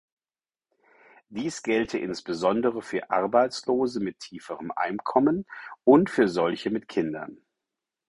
Dies gelte insbesondere für Arbeitslose mit tieferen Einkommen und für solche mit Kindern.